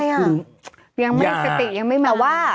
ไม่ได้ขึ้นยายายายาอย่างไม่ใสติยังไม่มา